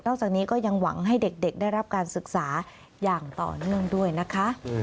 จากนี้ก็ยังหวังให้เด็กได้รับการศึกษาอย่างต่อเนื่องด้วยนะคะ